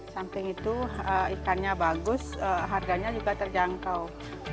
samping itu ikannya bagus harganya juga terjangkau